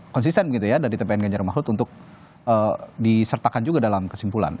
konsisten gitu ya dari tpn ganjar mahfud untuk disertakan juga dalam kesimpulan